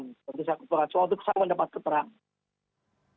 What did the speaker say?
tentu saya ketuakan soalnya saya mendapat keterangan